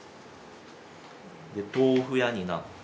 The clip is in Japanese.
で豆腐屋になって。